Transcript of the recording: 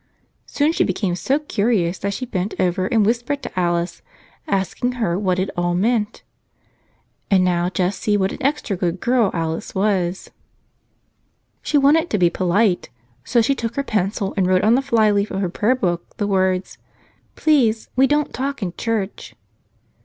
Soon she became so curious that she bent over and whis¬ pered to Alice, asking her what it all meant. And now just see what an extra good girl Alice was. She wanted to be polite. So she took her pencil and wrote on the flyleaf of her prayerbook the words, "Please, we don't talk in church."